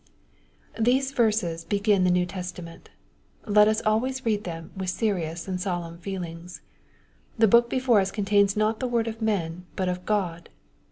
These verses begin the New Testament. Let us always read them with serious and solemn feelings. The book before us contains not the word of men, but of God.